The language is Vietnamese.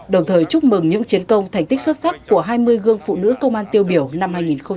đồng thời chúc mừng những chiến công thành tích xuất sắc của hai mươi gương phụ nữ công an tiêu biểu năm hai nghìn hai mươi ba